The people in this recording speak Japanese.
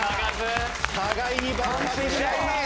互いに爆発し合います。